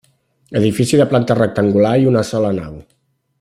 Edifici de planta rectangular i una sola nau.